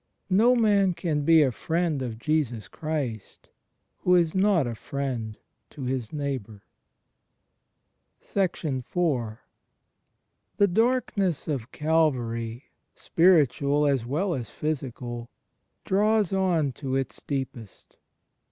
No man can be a Friend of Jesus Christ who is not a friend to his neighbour. IV The darkness of Calvary, spiritual as well as physical, draws on to its deepest.